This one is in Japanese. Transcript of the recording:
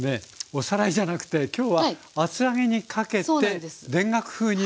おさらいじゃなくて今日は厚揚げにかけて田楽風にねするということですよね。